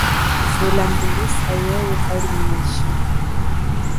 Zula mbulusu weye kali nyi majilo.